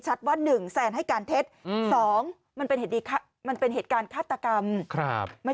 ชัดว่าหนึ่งแสนให้การเท็จสองมันเป็นเหตุการคาตกรรมครับไม่